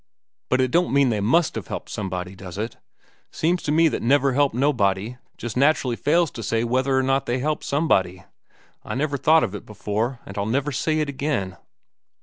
But it don't mean they must have helped somebody, does it? Seems to me that 'never helped nobody' just naturally fails to say whether or not they helped somebody. I never thought of it before, and I'll never say it again."